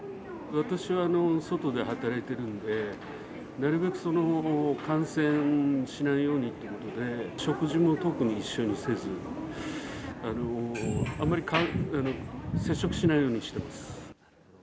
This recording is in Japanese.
私は外で働いているので、なるべく感染しないようにということで、食事も特に一緒にせず、あまり接触しないようにしています。